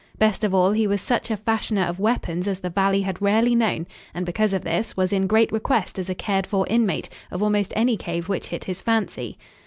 Best of all, he was such a fashioner of weapons as the valley had rarely known, and, because of this, was in great request as a cared for inmate of almost any cave which hit his fancy.